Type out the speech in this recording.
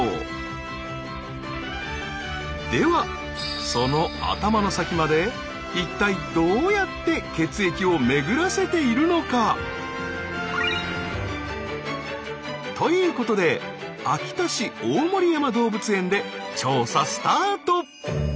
ではその頭の先まで一体どうやって血液を巡らせているのか？ということで秋田市大森山動物園で調査スタート。